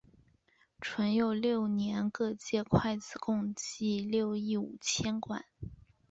淳佑六年各界会子共计六亿五千万贯。